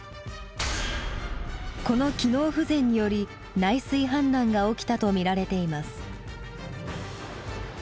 この機能不全により内水氾濫が起きたと見られています。